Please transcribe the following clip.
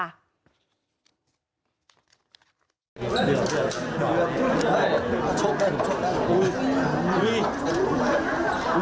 ถ้าชกได้ผมชกไปแล้ว